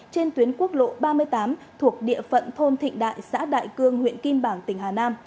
trên tuyến quốc lộ ba mươi tám thuộc địa phận thôn thịnh đại xã đại cương huyện kim bảng tỉnh hà nam